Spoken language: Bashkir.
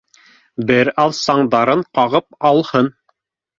Бер аҙ саңдарын ҡағып алһын.